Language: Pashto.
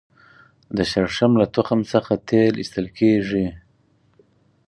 د شړشم له تخم څخه تېل ایستل کیږي